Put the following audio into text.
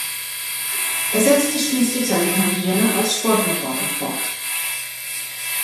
Er setzte schließlich seine Karriere als Sportreporter fort.